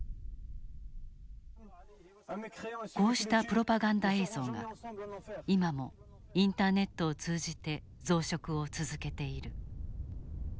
こうしたプロパガンダ映像が今もインターネットを通じて増殖を続けている。